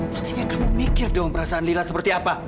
pastinya kamu mikir dong perasaan lila seperti apa